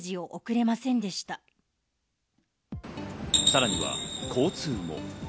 さらには交通も。